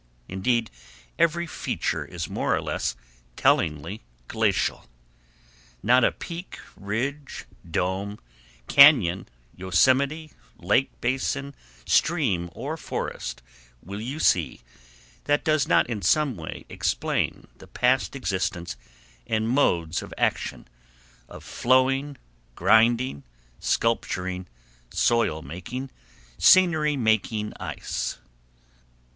Indeed, every feature is more or less tellingly glacial. Not a peak, ridge, dome, cañon, yosemite, lake basin, stream or forest will you see that does not in some way explain the past existence and modes of action of flowing, grinding, sculpturing, soil making, scenery making ice.